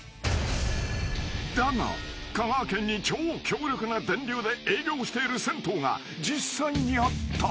［だが香川県に超強力な電流で営業している銭湯が実際にあった］